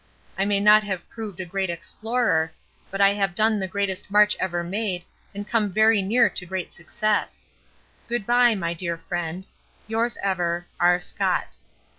I may not have proved a great explorer, but we have done the greatest march ever made and come very near to great success. Goodbye, my dear friend, Yours ever, R. SCOTT.